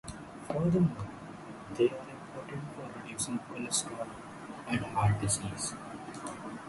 Furthermore, they are important for reducing cholesterol and heart diseases.